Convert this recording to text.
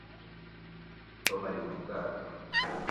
tom ari mu bwato